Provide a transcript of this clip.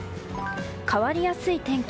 変わりやすい天気。